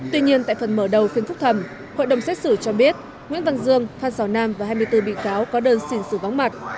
tuy nhiên tại phần mở đầu phiên phúc thẩm hội đồng xét xử cho biết nguyễn văn dương phan xào nam và hai mươi bốn bị cáo có đơn xin xử vắng mặt